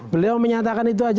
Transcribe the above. beliau menyatakan itu saja